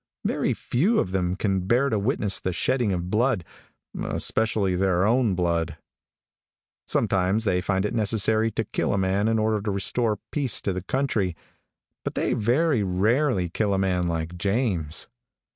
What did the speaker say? Very few of them can bear to witness the shedding of blood, especially their own blood. Sometimes they find it necessary to kill a man in order to restore peace to the country, but they very rarely kill a man like James.